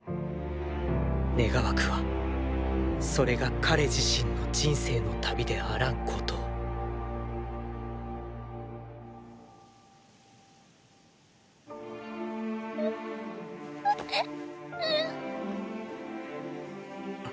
願わくはそれが「彼自身」の人生の旅であらんことをうっうぅっ。